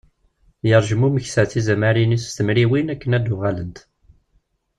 Yerjem umeksa tizamarin-is s temriwin akken ad d-uɣalent.